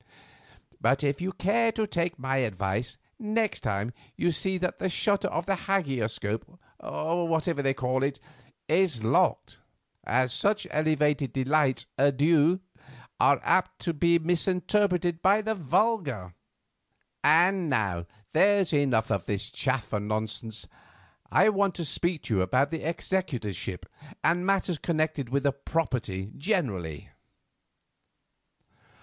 But if you care to take my advice, next time you will see that the shutter of that hagioscope, or whatever they call it, is locked, as such elevated delights 'à deux' are apt to be misinterpreted by the vulgar. And now, there's enough of this chaff and nonsense. I want to speak to you about the executorship and matters connected with the property generally."